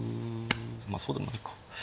まあそうでもないか。